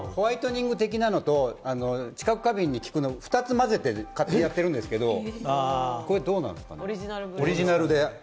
ホワイトニング的なのと、知覚過敏に効くやつ、２つ混ぜて勝手にやってるんですけど、オリジナルで。